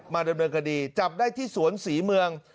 ดำเนินคดีจับได้ที่สวนศรีเมือง